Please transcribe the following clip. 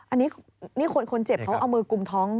อันนี้คนเจ็บเขาเอามือกลุ่มท้อง